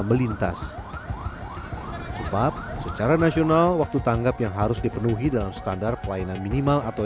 melintas sebab secara nasional waktu tanggap yang harus dipenuhi dalam standar pelayanan minimal atau